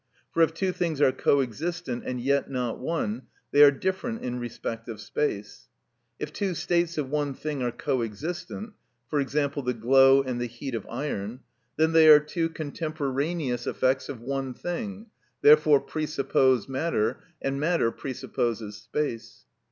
For if two things are co existent and yet not one, they are different in respect of space; if two states of one thing are co existent (e.g., the glow and the heat of iron), then they are two contemporaneous effects of one thing, therefore presuppose matter, and matter presupposes space.